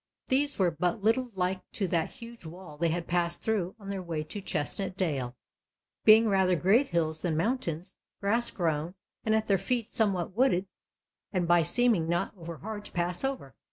These were but little like to that huge wall they had passed through on their way to Chestnut dale, being rather great hills than mountains, grass grown, and at their feet somewhat wooded, and by seeming not over hard to pass over.